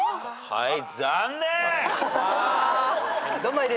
はい。